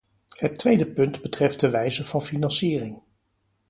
Het tweede punt betreft de wijze van financiering.